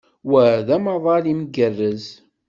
Wa d amaḍal imgerrez.